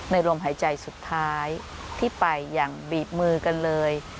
ลมหายใจสุดท้ายที่ไปอย่างบีบมือกันเลย